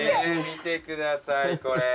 見てくださいこれ。